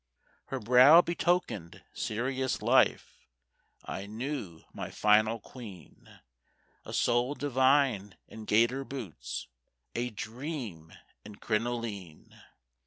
Her brow betokened serious life; I knew my final queen; A soul divine in gaiter boots, A Dream in crinoline.